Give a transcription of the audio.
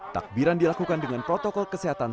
takbiran dilakukan dengan protokol kesehatan